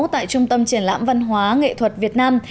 tại trung tâm triển lãm văn hóa nghệ thuật việt nam